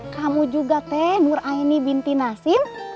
kamu juga kayak nur aini binti nasim